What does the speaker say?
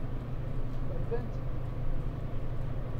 Rbant-d.